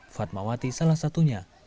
fatmawati salah satunya